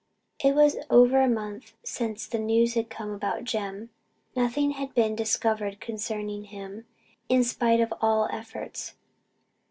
It was over a month since the news had come about Jem. Nothing had been discovered concerning him, in spite of all efforts.